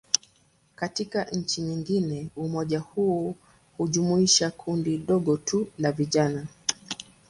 Katika nchi nyingine, umoja huu hujumuisha kundi dogo tu la vijana.